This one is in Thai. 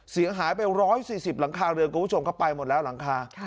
เสียหายไป๑๔๐หลังคาเรือนคุณผู้ชมเข้าไปหมดแล้วหลังคา